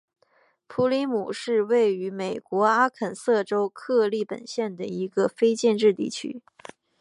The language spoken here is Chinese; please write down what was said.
普里姆是位于美国阿肯色州克利本县的一个非建制地区。